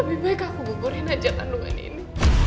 lebih baik aku buburin aja kandungan ini